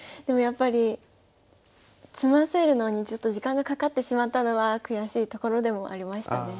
でもやっぱり詰ませるのにちょっと時間がかかってしまったのは悔しいところでもありましたね。